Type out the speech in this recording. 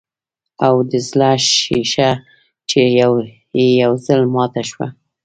او د زړۀ شيشه چې ئې يو ځل ماته شوه